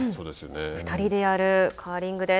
２人でやるカーリングです。